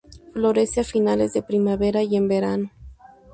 Florece a finales de primavera y en verano.